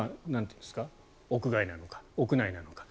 屋外なのか、屋内なのか。